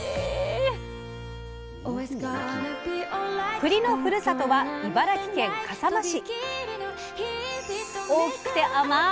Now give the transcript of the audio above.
くりのふるさとは茨城県笠間市。